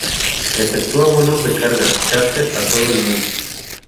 Efectúa vuelos de carga charter a todo el mundo.